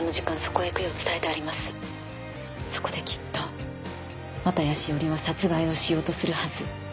そこできっと綿谷詩織は殺害をしようとするはず